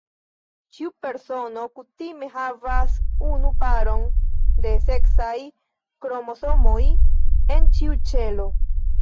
Ĉiu persono kutime havas unu paron de seksaj kromosomoj en ĉiu ĉelo.